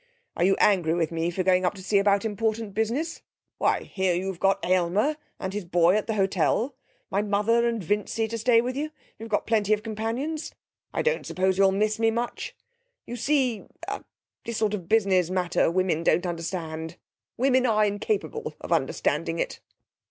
Are you angry with me for going up to see about important business? Why, here you've got Aylmer and his boy at the hotel, my mother and Vincy to stay with you. You've got plenty of companions. I don't suppose you'll miss me much. You see a this is a sort of business matter women don't understand. Women are incapable of understanding it.'